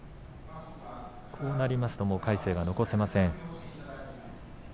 こうなりますと魁聖は残せません。